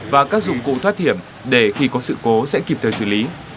và các dụng cụ thoát hiểm để khi có sự cố sẽ kịp thời xử lý